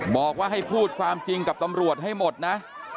บอกว่าให้พูดความจริงกับตำรวจให้หมดนะ